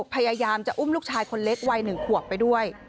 พยายามจะอุ้มลูกชายคนเล็กวัย๑ขวบไปด้วย